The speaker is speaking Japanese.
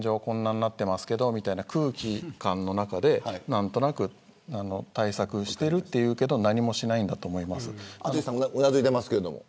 こんなになってますけれどみたいな空気感の中で何となく対策してるというけど何もしないと思います。